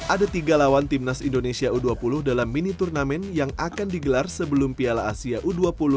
ada tiga lawan timnas indonesia u dua puluh dalam mini turnamen yang akan digelar sebelum piala asia u dua puluh dua